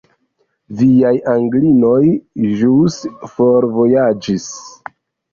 Viaj Anglinoj ĵus forvojaĝis.